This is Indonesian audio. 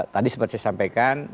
tadi seperti saya sampaikan